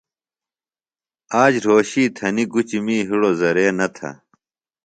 آج رھوشی تھنیۡ گُچیۡ می ہِڑوۡ زرے نہ تھے۔